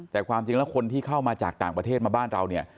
แต่ความจริงแล้วคนที่เข้ามาจากต่างประเทศมาบ้านเราเนี่ย